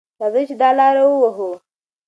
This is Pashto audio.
راځئ چې دا لاره ووهو.